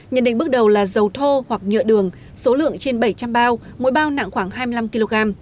nhận định bước đầu là dầu thô hoặc nhựa đường số lượng trên bảy trăm linh bao mỗi bao nặng khoảng hai mươi năm kg